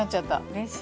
うれしい。